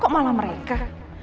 kok malah mereka